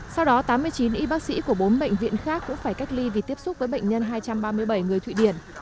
sau đó tám mươi chín y bác sĩ của bốn bệnh viện khác cũng phải cách ly vì tiếp xúc với bệnh nhân hai trăm ba mươi bảy người thụy điển